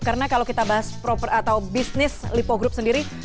karena kalau kita bahas bisnis lipo group sendiri